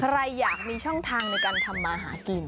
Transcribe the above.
ใครอยากมีช่องทางในการทำมาหากิน